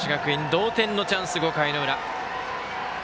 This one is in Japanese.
同点のチャンス、５回の裏。